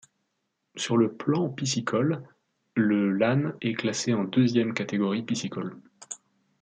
Sur le plan piscicole, le Lane est classé en deuxième catégorie piscicole.